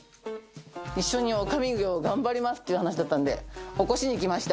一緒に女将業を頑張りますって話だったんで起こしに来ました。